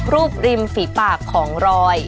ริมฝีปากของรอย